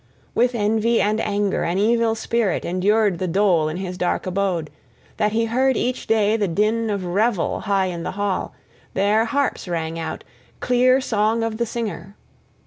{1c} With envy and anger an evil spirit endured the dole in his dark abode, that he heard each day the din of revel high in the hall: there harps rang out, clear song of the singer.